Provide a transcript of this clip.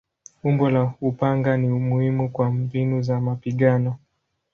Umbo la upanga ni muhimu kwa mbinu za mapigano.